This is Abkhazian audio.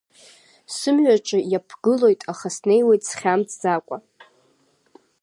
Сымҩаҿы иаԥгылоит, аха снеиуеит, схьамҵӡакәа.